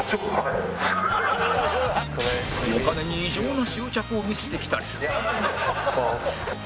お金に異常な執着を見せてきたり